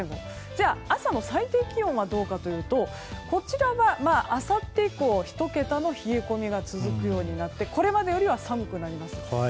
じゃあ、朝の最低気温はどうかというと、こちらはあさって以降１桁の冷え込みが続いてこれまでよりは寒くなります。